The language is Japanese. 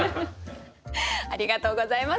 ありがとうございます。